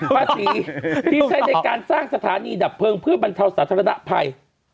ภาษีที่ใช้ในการสร้างสถานีดับเพลิงเพื่อบรรเทาสาธารณภัย